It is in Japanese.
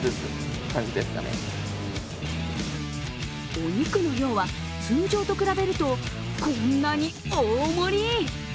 お肉の量は通常と比べるとこんなに大盛り。